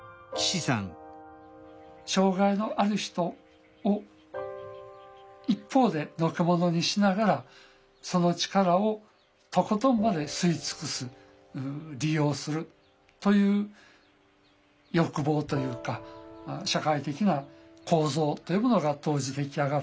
障害のある人を一方でのけ者にしながらその力をとことんまで吸い尽くす利用するという欲望というか社会的な構造というものが当時出来上がっていた。